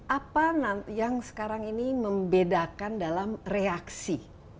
apa yang sekarang ini membedakan dalam reaksi